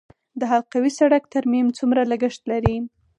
د حلقوي سړک ترمیم څومره لګښت لري؟